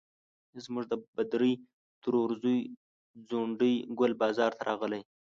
زموږ د بدرۍ ترور زوی ځونډي ګل بازار ته راغلی.